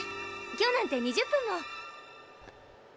今日なんて２０分も。